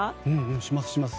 します、します。